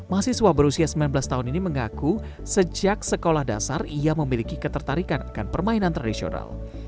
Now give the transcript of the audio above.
mahasiswa berusia sembilan belas tahun ini mengaku sejak sekolah dasar ia memiliki ketertarikan akan permainan tradisional